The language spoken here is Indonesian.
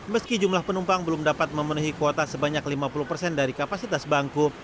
meski jumlah penumpang belum dapat memenuhi kuota sebanyak lima puluh persen dari kapasitas bangku